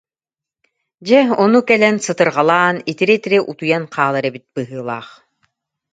Дьэ, ону кэлэн сытырҕалаан, итирэ-итирэ утуйан хаалар эбит быһыылаах